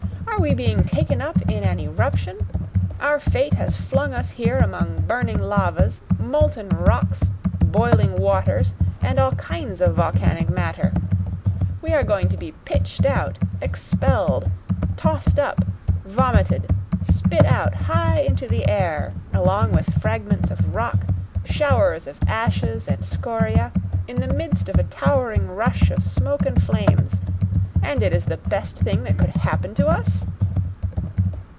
"Are we being taken up in an eruption? Our fate has flung us here among burning lavas, molten rocks, boiling waters, and all kinds of volcanic matter; we are going to be pitched out, expelled, tossed up, vomited, spit out high into the air, along with fragments of rock, showers of ashes and scoria, in the midst of a towering rush of smoke and flames; and it is the best thing that could happen to us!"